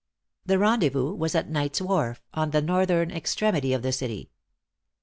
The rendezvous was at Knight's wharf, at the northern extremity of the city.